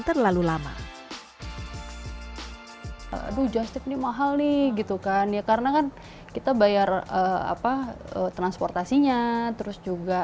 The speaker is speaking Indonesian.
terlalu lama aduh jastik nih mahal nih gitu kan ya karena kan kita bayar apa transportasinya terus juga